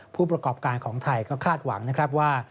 ผู้ประกอบการของไทยก็คาดหวังนะครับว่า